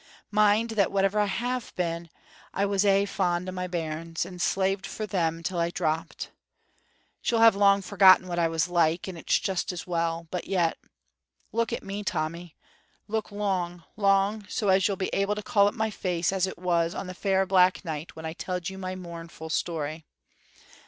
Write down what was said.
Mind that whatever I have been, I was aye fond o' my bairns, and slaved for them till I dropped. She'll have long forgotten what I was like, and it's just as well, but yet Look at me, Tommy, look long, long, so as you'll be able to call up my face as it was on the far back night when I telled you my mournful story.